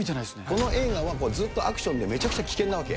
この映画はずっとアクションで、めちゃくちゃ危険なわけ。